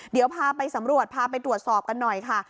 เดี๋ยวพาไปสำรวจพาไปตรวจสอบกันหน่อยค่ะ